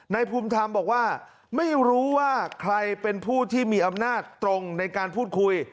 ภูมิธรรมบอกว่าไม่รู้ว่าใครเป็นผู้ที่มีอำนาจตรงในการพูดคุย